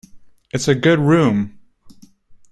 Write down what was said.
It's a good room!